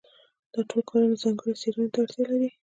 دا ټول کارونه ځانګړې څېړنې ته اړتیا لري.